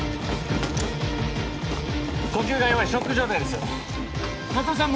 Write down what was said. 呼吸が弱いショック状態です夏梅